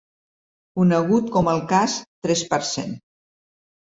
Conegut com el cas tres per cent.